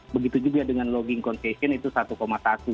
begitu juga dengan logging concession itu satu satu